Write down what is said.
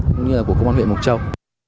cũng như là của công an huyện mộc châu